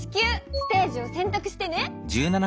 ステージをせんたくしてね！